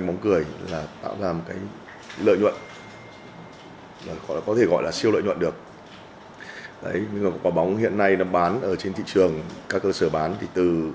bóng cười hiện nay bán trên thị trường các cơ sở bán từ một trăm linh hai trăm linh